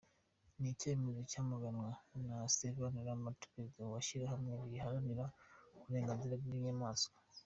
Ni icyemezo cyamaganwe na Stéphane Lamart, perezida w'ishyirahamwe riharanira uburenganzira bw'inyamaswa.